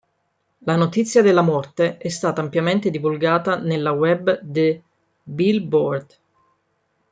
La notizia della morte è stata ampiamente divulgata nella web de "Billboard".